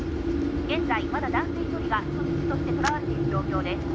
「現在まだ男性１人が人質として捕らわれている状況です」